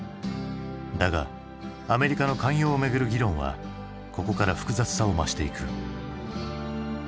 だがアメリカの寛容をめぐる議論はここから複雑さを増していく。